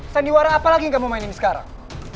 sandiwara apa lagi yang kamu mainin sekarang